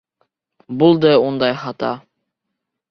Булды ундай хата.